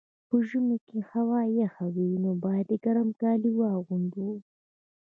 په ژمي کي هوا یخه وي، نو باید ګرم کالي واغوندو.